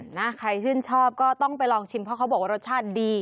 นะใครชื่นชอบก็ต้องไปลองชิมเพราะเขาบอกว่ารสชาติดี